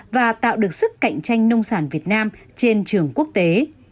và tạo được sức cạnh tranh nông sản việt nam trên trường quốc tế